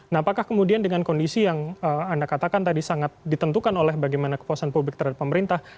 nah apakah kemudian dengan kondisi yang anda katakan tadi sangat ditentukan oleh bagaimana kepuasan publik terhadap pemerintah